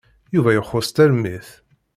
Yuba ixuṣ tarmit.